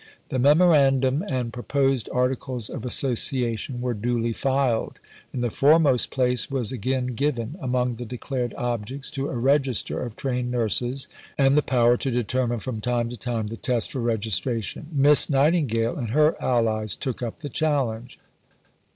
The Memorandum and proposed Articles of Association were duly filed, and the foremost place was again given, among the declared objects, to a register of trained nurses, and to power to determine from time to time the test for registration. Miss Nightingale and her allies took up the challenge.